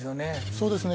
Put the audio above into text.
そうですね。